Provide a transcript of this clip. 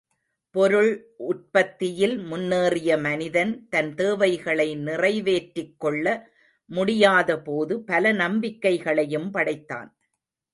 பொருள் உற்பத்தியில் முன்னேறிய மனிதன் தன் தேவைகளை நிறைவேற்றிக் கொள்ள முடியாதபோது பல நம்பிக்கைகளையும் படைத்தான்.